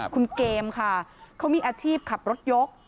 คุณเกมค่ะเขามีอาชีพขับรถยก